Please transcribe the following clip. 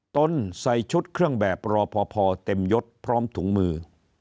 ตนใส่ชุดเครื่องแบบรอพอเต็มยดพร้อมถุงมือ